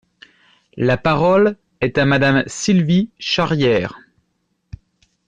La parole est à Madame Sylvie Charrière.